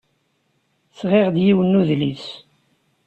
Sɣiɣ-d yiwen n udlis.